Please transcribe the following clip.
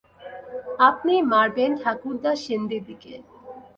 আপনিই মারবেন ঠাকুরদা সেনদিদিকে।